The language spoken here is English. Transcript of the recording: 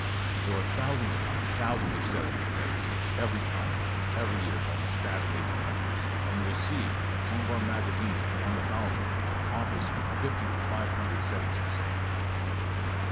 There are thousands upon thousands of settings of eggs of every kind taken every year by these fad egg collectors and you will see in some of our magazines on ornithology offers of from fifty to five hundred settings for sale.